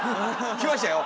きましたよ。